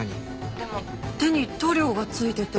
でも手に塗料が付いてて。